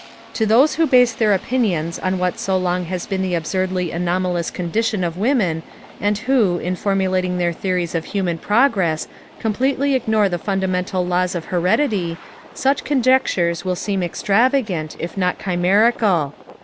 To those who base their opinions on what so long has been the absurdly anomalous condition of women and who, in formulating their theories of human progress, completely ignore the fundamental laws of heredity, such conjectures will seem extravagant, if not chimerical.